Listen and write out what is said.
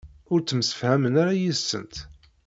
Ur ttemsefhamen ara yid-sent?